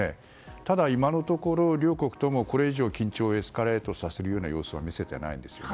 ただ今のところ両国ともこれ以上、緊張をエスカレートさせるような様子は見せていないですよね。